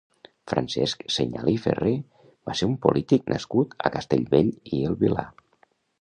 Francesc Senyal i Ferrer va ser un polític nascut a Castellbell i el Vilar.